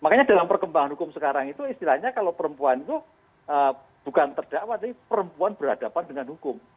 makanya dalam perkembangan hukum sekarang itu istilahnya kalau perempuan itu bukan terdakwa tapi perempuan berhadapan dengan hukum